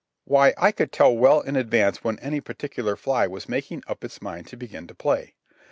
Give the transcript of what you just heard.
Why, I could tell well in advance when any particular fly was making up its mind to begin to play.